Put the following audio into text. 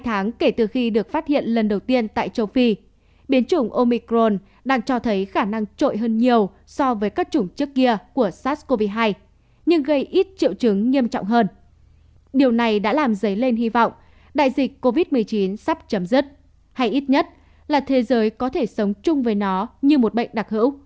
thế giới sắp thoát khỏi đại dịch covid một mươi chín